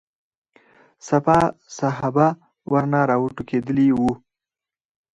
سپاه صحابه ورنه راټوکېدلي وو.